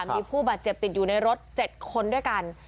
มีผู้บาดเจ็บติดอยู่ในรถ๗คนด้วยกัน